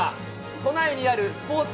都内にあるスポーツ